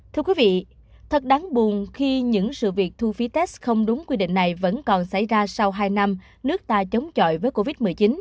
thưa quý vị thật đáng buồn khi những sự việc thu phí test không đúng quy định này vẫn còn xảy ra sau hai năm nước ta chống chọi với covid một mươi chín